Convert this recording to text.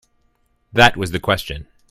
That was the question.